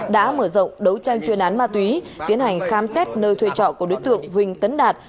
đã mở rộng đấu tranh chuyên án ma túy tiến hành khám xét nơi thuê trọ của đối tượng huỳnh tấn đạt